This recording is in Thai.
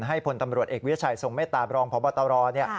ให้พนธ์ตำรวจเอกวิชัยสงเมตตารองพบัตรรเนี่ย